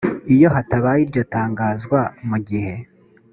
iyo hatabaye iryo tangazwa mu gihe